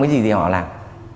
cái gì thì họ làm